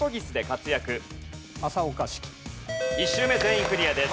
１周目全員クリアです。